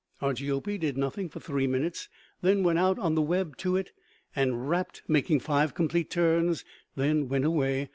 Argiope did nothing for three minutes, then went out on the web to it and wrapped, making five complete turns; then went away.